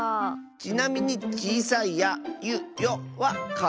ちなみにちいさい「や」「ゆ」「よ」はかぞえない。